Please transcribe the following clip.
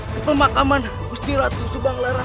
kepemakaman gusti ratu subanglaran